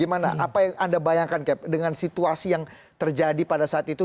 apa yang anda bayangkan cap dengan situasi yang terjadi pada saat itu